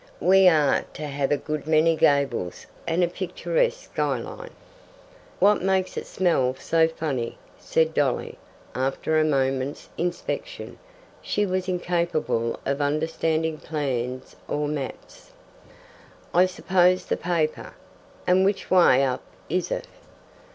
We are to have a good many gables and a picturesque sky line." "What makes it smell so funny?" said Dolly, after a moment's inspection. She was incapable of understanding plans or maps. "I suppose the paper." "And WHICH way up is it?"